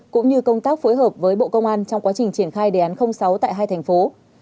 cũng như công tác phối hợp với bộ công an trong quá trình triển khai đề án sáu tại hai thành phố